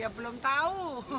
ya belum tahu